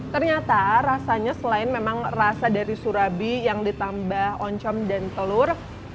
ternyata rasanya selain memang rasa dari surabi yang ditambah oncom dan telur